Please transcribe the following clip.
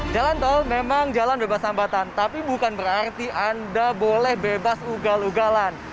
jalan tol memang jalan bebas hambatan tapi bukan berarti anda boleh bebas ugal ugalan